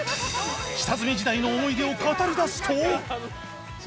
下積み時代の思い出を語り出すと